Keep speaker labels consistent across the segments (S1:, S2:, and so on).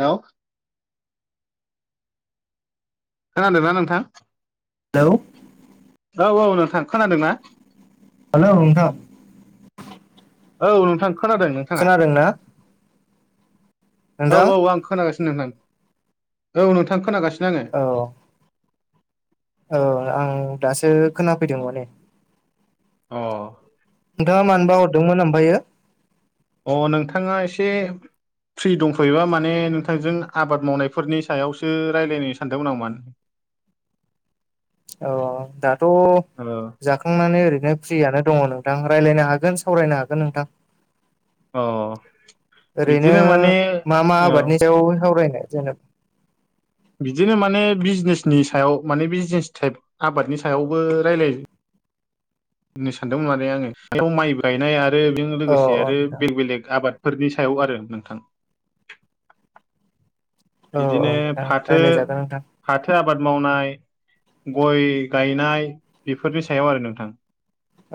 S1: Hello! खोनादोंना नोंथां?
S2: Hello
S1: औ औ नोंथां खोनादोंना?
S2: हेलौ नोंथां।
S1: औ नोंथां खोनादों नों
S2: खोनादों ना?
S1: औ औ आं खोनागासिनो नोंथां, औ नोंथां खोनागासिनो आंङो।
S2: औ। औ आं दासो खोनाफैदों माने।
S1: अ।
S2: नोंथाङा मानोबा हरदोंमोन ओमफ्रायो?
S1: अ नोंथाङा एसे फ्रि दंफैयोबा माने नोंथांजों आबाद मावनायफोरनि सायावसो रायज्लायनो सानदोंमोन आं माने। [unintelligible]
S2: औ औ दाथ'
S1: माने
S2: जा खांनानै ओरैनो फ्रियानो दङ नोंथां रायज्लायनो हागोन सावरायनो हागोन नोंथां।
S1: औ अ
S2: ओरैनो
S1: बिदिनो माने
S2: मा मा
S1: औ
S2: आबादनि सायाव सावरायनो जेनो
S1: बिदिनो माने बिजनेसनि सायाव माने बिजनेस टाइप। आबादनि सायावबो रायलाय नो सानदोंमोन माने आङो। बेयाव माइ गायनाय आरो बेजों
S2: औ
S1: लोगोसे
S2: औ
S1: आरो
S2: नोंथां
S1: बेलेग बेलेग आबादफोरनि सायाव आरो नोंथां।
S2: औ औ
S1: बिदिनो
S2: नोंथां
S1: फाथो
S2: रायज्लायजागोन नोंथां
S1: फाथो आबाद मावनाय गय गायनाय बेफोरनि सायाव आरो नोंथां।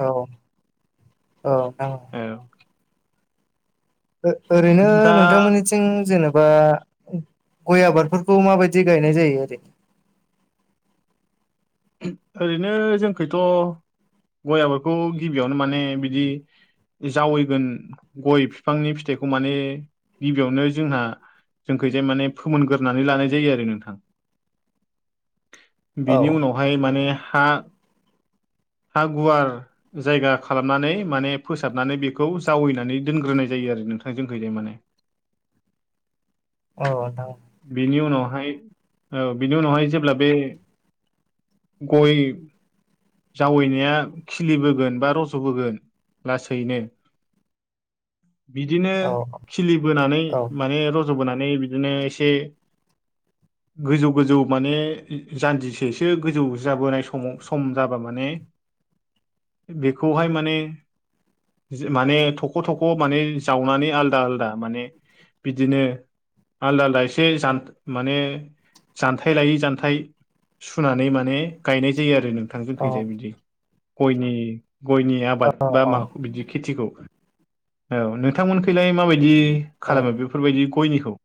S2: औ औ ओं
S1: औ।
S2: ओ ओरैनो
S1: दा
S2: नोंथांमोननि थिं जेनोबा गय आबादफोरखौ माबायदि गायनाय जायो ओरै?
S1: ओरैनो जोंनिखैथ' गयाबखौ गिबियावनो माने बिदि जावैगोन गय बिफांनि फिथाइखौ माने गिबियावनो जोंहा जोंखौ जाय माने फोमोनगोरनानै लानाय जायो आरो नोंथां।
S2: औ
S1: बिनि उनावहाय माने हा हा गुवार जायगा खालामनानै माने फोसाबनानै बेखौ जावैनानै दोनग्रोनाय जायो आरो नोंथां जोंनिखैजाय माने।
S2: औ नोंथां।
S1: बेनि उनावहाय औ बिनि उनावहाय जेब्ला बे गय जावैनाया खिलिबोगोन बा रज'बोगोन लासैनो बिदिनो
S2: औ
S1: खिलि बोनानै
S2: औ
S1: माने र ज बोनानै बिदिनो एसे गोजौ गोजौ माने जानदिसैसो एसे गोजौ जाबोनाय समाव सम जाबा माने बेखौहाय माने माने थख' थख' माने जावनानै आलदा आलदा माने बिदिनो आलदा आलदा एसे ज माने जानथाय लायै जान्थाय सुनानै माने गायनाय जायो आरो नोंथां जोंखैजाय बिदि गयनि गयनि आबाद
S2: औ
S1: बा
S2: औ
S1: मा बिदि खेथिखौ औ नोंथांमोनखैलाय माबायदि
S2: औ
S1: खालामो बेफोरबायदि गयनिखौ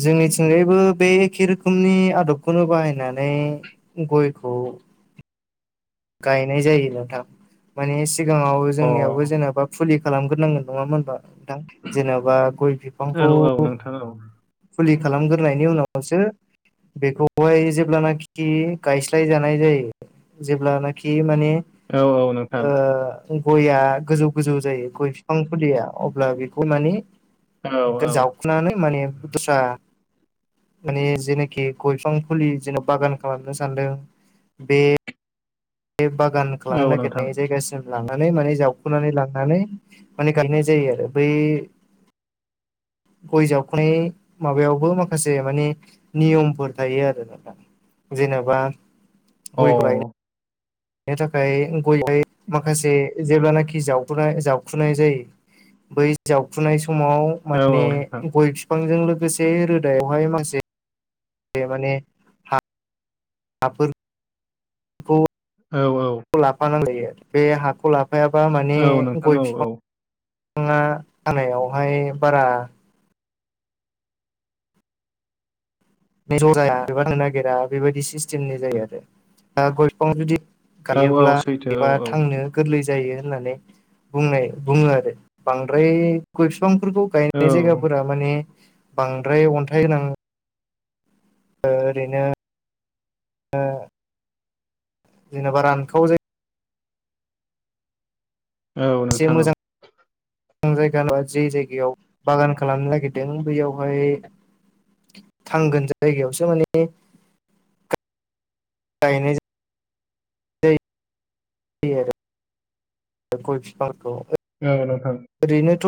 S2: जोंनिथिंगायैबो बे एखे रोखोमनि आदबखौनो बाहायनानै गयखौ गायनाय जायोल' था मानिे सिगाङाव
S1: अ
S2: जोंनियावबो जेनेबा फुलि खालामग्रोनांगोन नङामबा नोंथां जेन'बा गय
S1: औ
S2: बिफांखौ
S1: औ नोंथां औ
S2: फुलि खालामग्रोनायनि उनावसो बेखौहाय जेब्लानाखि गायस्लाय जानाय जायो जेब्लानाखि माने
S1: औ औ नोंथां
S2: गयया गोजौ गोजौ जायो गय बिफां फुलिया अब्ला बेखौ माने
S1: औ औ
S2: जावखनानै माने दस्रा माने जेनाखि गयफां फुलि जेन' बागान खालामनो सानदों बे बे बागान खालामनो
S1: औ नोंथां
S2: नागिरनाय जायगासिम लानानै माने जावखुनानै लांनानै माने गायनाय जायो आरो बै गय जावख'नाय माबायावबो माखासे माने नियमफोर थायो आरो ना जेनेबा
S1: ओ
S2: बे थाखाय गय गाय माखासे जेब्लानाखि जावखुना जावखुनाय जायो बै जावखुनाय समाव माने
S1: औ नोंथां
S2: गय फिफांजों लोगोसे रोदायावहाय मासे बे माने हाफोर खौ
S1: औ औ
S2: लाफाना जायो बे हाखौ लाफायाबा माने
S1: औ नोंथां
S2: गय फिफां
S1: औ
S2: फाङा हानायावहाय बारा ज' जाया बारनो नागिरा बेबायदि सिस्टेमनि जायो आरो दा गय बिफां जुदि
S1: औ औ
S2: गायोब्ला
S1: सैथो
S2: एबा
S1: औ
S2: थांनो गोरलै जायो होननानै बुंनाय बुङो आरो बांद्राय गय फिफांफोरखौ
S1: औ
S2: गायनाय जायगाफोरा माने बांद्राय अन्थाइ गोनां ओ ओरैनो ओ जेनेबा रानखाव जायो
S1: औ
S2: एसे मोजां
S1: [inaudible]
S2: जायगा जे जायगायाव बागान खालामनो नागिरदों बैयावहाय थांगोन जायगायावसो माने गायनाय जायो दि आरो बे गय फिफांखौ
S1: औ नोंथां
S2: ओरैनोथ'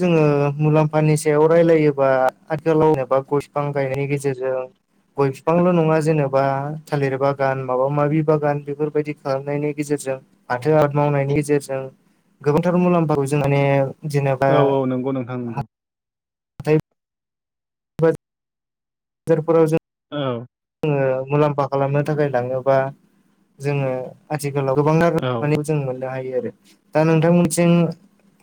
S2: जोङो मुलाम्फानि सायाव रायलायोबा आथिखालाव जेनेबा गय बिफां गायनायनि गेजेरजों गय बिफांल' नङा जेनेबा थालिर बागान माबा माबि बागान बेफोरबायदि खालामनायनि गेजेरजों फाथो आबाद मावनायनि गेजेरजों गोबांथार मुलाम्फाखौ जों माने जेनेबा
S1: औ औ नंगौ नोंथां नंगौ
S2: हाथाय [unintelligible] फोराव जों
S1: औ
S2: जोङो मुलाम्फा खालामनो थाखाय लाङोबा जोङो आथिखालाव गोबांथार
S1: औ
S2: माने जों मोननो हायो आरो दा नोंथांमोनथिं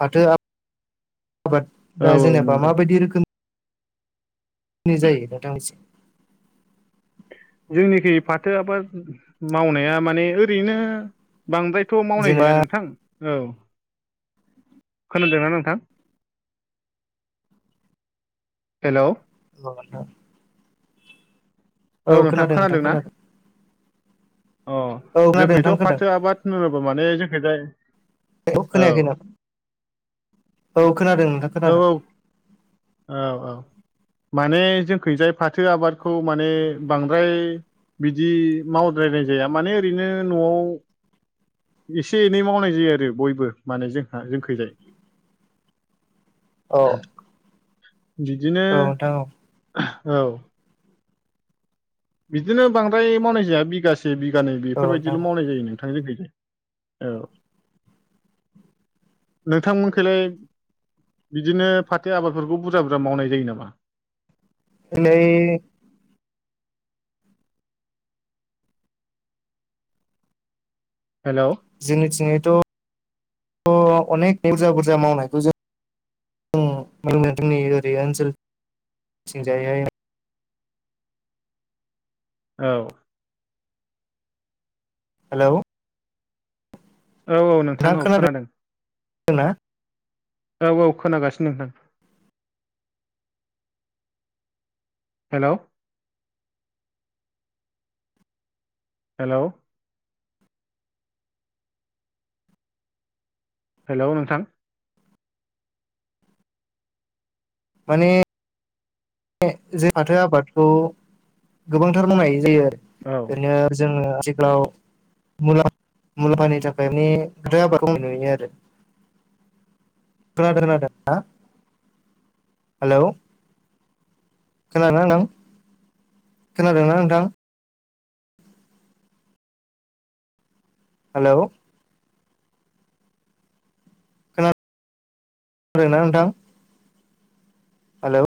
S2: फाथो आबाद [unintelligible] दा
S1: औ
S2: जेनेबा
S1: नंगौ
S2: माबायदि रोखोम नि जायो नोंथां एसे
S1: जोंनिखै फाथो आबाद मावनाया माने ओरैनो बांद्रा थ' मावनाय जाया नोंथां औ खोनादोंना नोंथां? हेलौ
S2: [unintelligible] औ खोनादों नोंथां खोनादों
S1: ओ
S2: औ खोनादों
S1: जोंखैथ'
S2: नोंथां
S1: फाथो
S2: खोनादों
S1: आबाद होनोबा माने जोंखैजाय औ
S2: खोनायाखै नों औ खोनादों नोंथां
S1: औ
S2: खोनादों
S1: औ औ औ माने जोंखैजाय फाथो आबादखौ माने बांद्राय बिदि मावद्रायनाय जाया माने ओरैनो न'आव एसे एनै मावनाय जायो आरो बयबो माने जोंहा जोंखैजाय
S2: औ
S1: बिदिनो
S2: नोंथां औ
S1: औ बिदिनो बांद्राय मावनाय जाया बिगासे बिगानै
S2: औ नोंथां
S1: बेफोरबायदिल'
S2: औ
S1: मावनाय जायो [unintelligible] औ नोंथांमोनखैलाय बिदिनो फाथो आबादफोरखौ बुरजा बुरजा मावनाय जायो नामा?
S2: [unintelligible]
S1: हेलौ
S2: जोंनिथिंजायथ' अनेक बुरजा बुरजा मावनायखौ जों आ [unintelligible] जोंनि ओरै ओनसोलथिंजायहाय
S1: औ
S2: हेलौ
S1: औ औ नों
S2: थां खोनादोंना?
S1: औ औ खोनागासिनो नोंथां हेलौ हेलौ हेलौ नोंथां
S2: माने जों फाथो आबादखौ गोबांथार मावनाय जायो आरो
S1: औ
S2: ओरैनो जोङो आथिखालाव मुलाम्फानि थाखाय माने फाथो आबादखौ नुयो आरो। [unintelligible] हेलौ खोनादों ना नोंथां खोनादोंना नोंथां? हेलौ खोनादों ना नोंथां? हेलौ